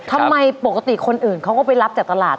ทำไมปกติคนอื่นเขาก็ไปรับจากตลาด